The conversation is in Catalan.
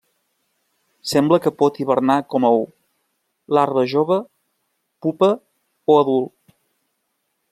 Sembla que pot hibernar com a ou, larva jove, pupa o adult.